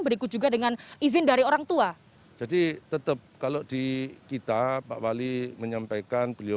berikut juga dengan izin dari orang tua jadi tetap kalau di kita pak wali menyampaikan beliau